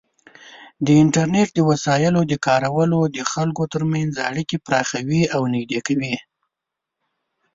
د انټرنیټ د وسایلو کارول د خلکو ترمنځ اړیکې پراخوي او نږدې کوي.